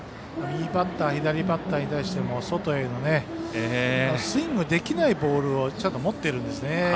右バッター左バッターに対しても外へのスイングできないボールを持ってるんですね。